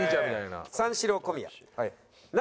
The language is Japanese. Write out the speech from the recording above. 三四郎小宮。